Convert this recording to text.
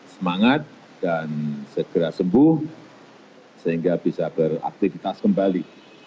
semangat dan segera sembuh sehingga bisa beraktivitas kembali